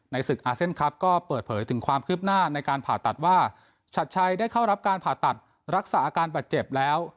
ศึกอาเซียนคลับก็เปิดเผยถึงความคืบหน้าในการผ่าตัดว่าชัดชัยได้เข้ารับการผ่าตัดรักษาอาการบาดเจ็บแล้ว